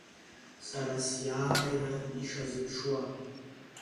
Сара сиааира ишазыԥшуа.